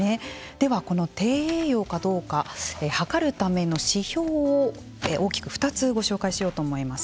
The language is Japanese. では、この低栄養かどうか測るための指標を大きく２つご紹介しようと思います。